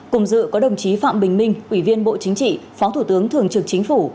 cùng dự có đồng chí phạm bình minh ủy viên bộ chính trị phó thủ tướng thường trực chính phủ